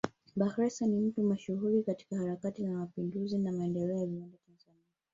Bakhresa ni mtu mashuhuri katika harakati za mapinduzi na maendeleo ya viwanda Tanzania